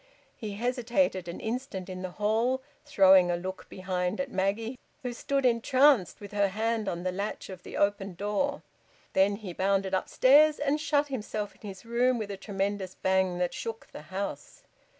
He hesitated an instant in the hall, throwing a look behind at Maggie, who stood entranced with her hand on the latch of the open door. Then he bounded upstairs, and shut himself in his room with a tremendous bang that shook the house.